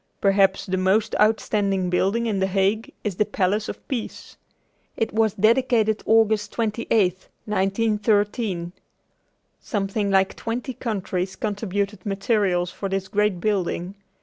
Perhaps the most outstanding building in The Hague is the Palace of Peace. It was dedicated August 28, 1913. Something like twenty countries contributed materials for this great building.